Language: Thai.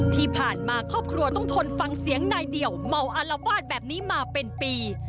ที่ผ่านมาครอบครัวต้องทนฟังเสียงนายเดี่ยวเมาอารวาสแบบนี้มาเป็นปี